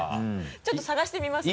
ちょっと捜してみますね。